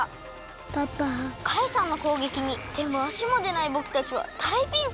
カイさんのこうげきにてもあしもでないぼくたちはだいピンチ！